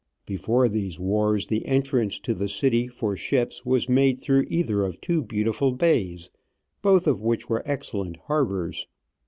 Before these wars the entrance to the city for ships was made through either of two beautiful bays, both of which were excellent harbours.